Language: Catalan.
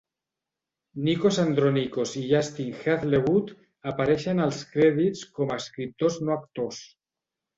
Nikos Andronicos i Justin Heazlewood apareixen als crèdits com a escriptors no actors.